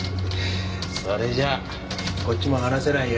それじゃあこっちも話せないよ。